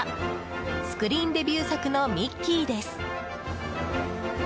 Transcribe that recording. スクリーンデビュー作のミッキーです。